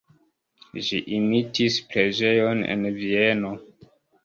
Ĝi imitis preĝejon en Vieno.